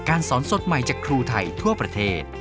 สอนสดใหม่จากครูไทยทั่วประเทศ